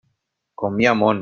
Com hi ha món!